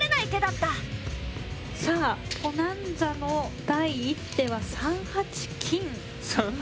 さぁポナンザの第１手は３八金でした。